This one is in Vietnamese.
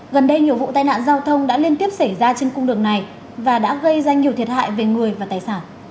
gần đây nhiều vụ tai nạn giao thông đã liên tiếp xảy ra trên cung đường này và đã gây ra nhiều thiệt hại về người và tài sản